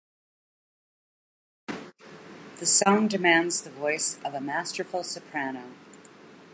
The song demands the voice of a masterful soprano.